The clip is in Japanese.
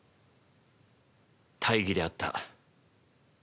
大儀であった。